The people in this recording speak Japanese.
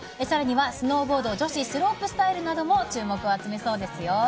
更には、スノーボード女子スロープスタイルなども注目を集めそうですよ。